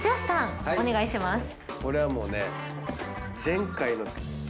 これはもうね。